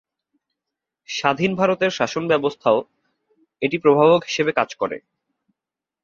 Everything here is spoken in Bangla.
স্বাধীন ভারতের শাসন ব্যবস্থাও এটি প্রভাবক হিসেবে কাজ করে।